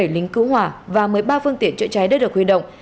ba mươi bảy lính cứu hỏa và một mươi ba phương tiện chữa cháy đã được huy động